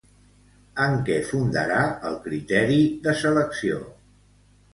En què fundarà el criteri de selecció?